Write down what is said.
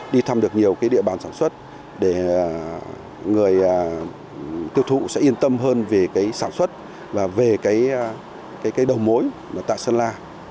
đi thăm được nhiều cái địa bàn sản xuất để người tiêu thụ sẽ yên tâm hơn về cái sản xuất và về cái đầu mối tại sơn la